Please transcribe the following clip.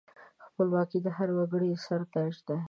خپلواکي د هر وګړي د سر تاج دی.